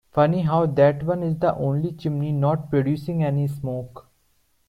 Funny how that one is the only chimney not producing any smoke.